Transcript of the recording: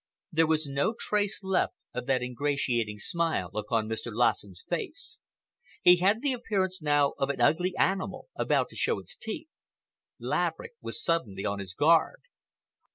There was no trace left of that ingratiating smile upon Mr. Lassen's face. He had the appearance now of an ugly animal about to show its teeth. Laverick was suddenly on his guard.